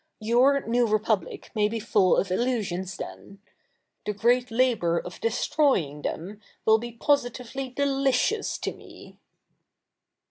Your New Republic may be full of illusions then. The great labour of destroying them will be positively delicious to me.'